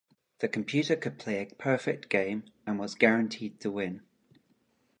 The computer could play a perfect game and was guaranteed to win.